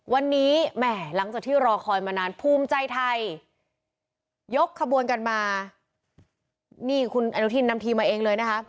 วันนี้แหมหลังจากที่รอคอยน์มานานภูมิใจไทย